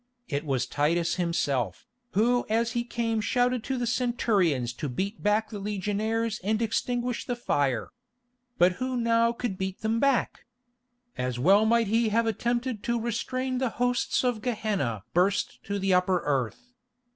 It was Titus itself, who as he came shouted to the centurions to beat back the legionaries and extinguish the fire. But who now could beat them back? As well might he have attempted to restrain the hosts of Gehenna burst to the upper earth.